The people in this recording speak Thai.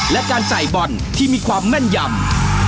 และการใส่บอลที่มีความแม่นยำ